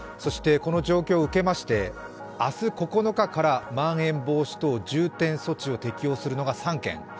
この状況を受けまして明日９日からまん延防止等重点措置を適用するのが３県。